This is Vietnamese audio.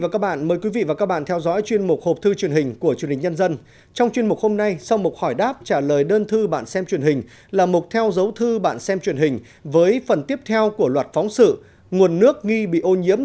các bạn hãy đăng ký kênh để ủng hộ kênh của chúng mình nhé